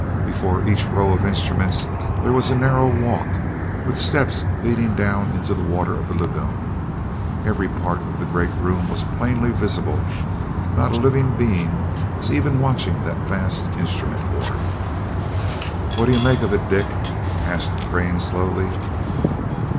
Before each row of instruments there was a narrow walk, with steps leading down into the water of the lagoon. Every part of the great room was plainly visible, and not a living being was even watching that vast instrument board. "What do you make of it, Dick?" asked Crane, slowly.